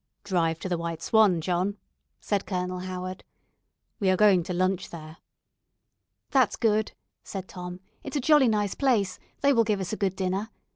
"Drive to the 'White Swan,' John," said Colonel Howard, "we are going to lunch there." "That's good," said Tom. "It's a jolly nice place; they will give us a good dinner.